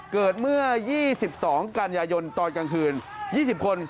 เกิดเมื่อ๒๒กันยายนตอนกลางคืน๒๐คน